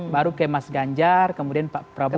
baru ke mas ganjar kemudian pak prabowo